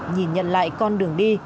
nhìn nhận lại con đường đi